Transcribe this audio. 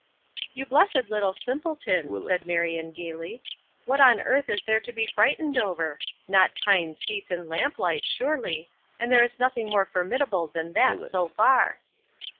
"You blessed little simpleton!" said Marion, gaily. "What on earth is there to be frightened over? Not pine seats and lamplight, surely, and there is nothing more formidable than that so far."